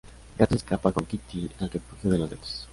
Gato se escapa con Kitty al refugio de los gatos.